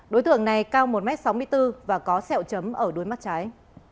đối tượng này cao một m sáu mươi bốn và có sẹo chấm ở đuôi mắt trái